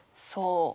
そう。